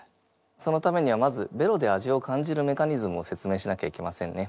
そのためにはまずベロで味を感じるメカニズムを説明しなきゃいけませんね。